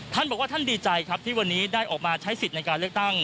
ท่านบอกว่าท่านดีใจครับที่วันนี้ได้ออกมาใช้สิทธิ์ในการเลือกตั้ง